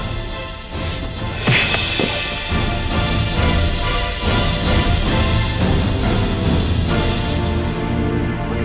kamu akan menang